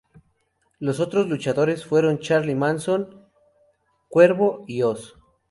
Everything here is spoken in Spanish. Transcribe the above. Los otros luchadores fueron Charly Manson, Cuervo y Ozz.